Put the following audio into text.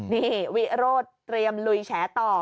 นี่วิโรธเตรียมลุยแฉต่อ